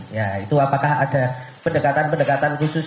ya itu apakah ada pendekatan pendekatan khusus